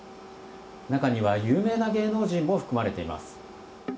中には有名な芸能人も含まれています。